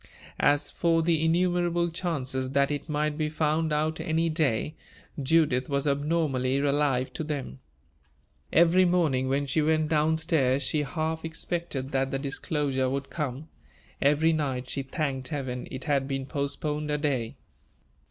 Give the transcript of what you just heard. As for the innumerable chances that it might be found out any day, Judith was abnormally alive to them. Every morning, when she went down stairs, she half expected that the disclosure would come; every night she thanked Heaven it had been postponed a day.